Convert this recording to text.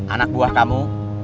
anak buah kamu